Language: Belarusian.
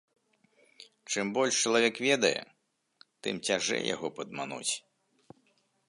Чым больш чалавек ведае, тым цяжэй яго падмануць.